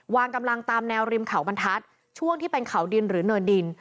วางกำลังตามแนวริมเขาบรรทัศน์ช่วงที่เป็นเขาดินหรือเนินดิน